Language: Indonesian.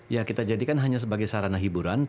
ya kita jadikan hanya sebagai sarana hiburan